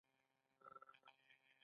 د قیمتۍ عامل په توکو کې کار دی.